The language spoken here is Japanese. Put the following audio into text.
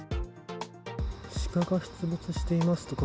シカが出没しています！